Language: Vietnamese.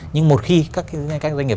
nhưng một khi các doanh nghiệp